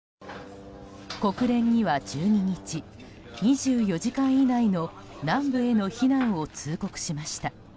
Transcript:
国連には１２日２４時間以内の南部への避難を通告しました。